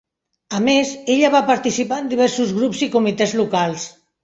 A més, ella va participar en diversos grups i comitès locals.